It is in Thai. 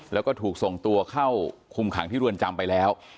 แล้วก็ถูกส่งตัวเข้าคุมขังที่รวนจำไปแล้ว